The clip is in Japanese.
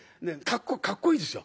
かっこいいですよ。